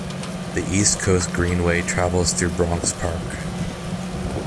The East Coast Greenway travels through Bronx Park.